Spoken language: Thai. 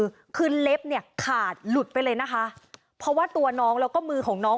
คือคือเล็บเนี่ยขาดหลุดไปเลยนะคะเพราะว่าตัวน้องแล้วก็มือของน้อง